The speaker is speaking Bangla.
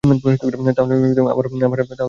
তাহলে আমার ভালবাসার খাতিরে।